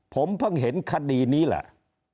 ผมเพิ่งเห็นคดีนี้แหละ